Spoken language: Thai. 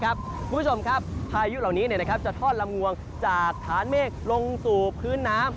คุณผู้ชมครับพายุเหล่านี้จะทอดลำงวงจากฐานเมฆลงสู่พื้นน้ำ